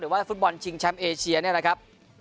หรือว่าฟุตบอลชิงชัมเอเชียเนี่ยนะครับ